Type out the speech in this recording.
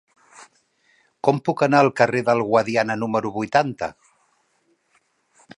Com puc anar al carrer del Guadiana número vuitanta?